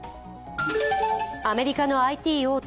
アメリカのＩＴ大手